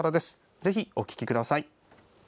ぜひお聴きください。